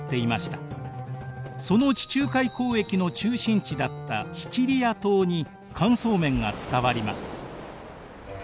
その地中海交易の中心地だったシチリア島に乾燥麺が伝わります。